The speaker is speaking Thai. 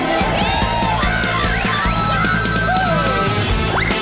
มาเยือนทินกระวีและสวัสดี